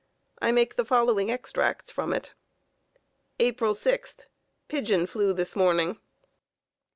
I make the following extracts from it: April 6th. "Pigeon flew this morning."